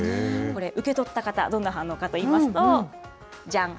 これ、受け取った方、どんな反応かといいますと、じゃん。